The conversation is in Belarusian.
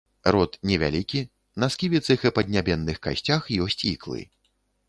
Рот невялікі, на сківіцах і паднябенных касцях ёсць іклы.